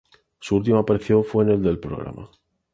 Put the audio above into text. Su última aparición fue en el del programa.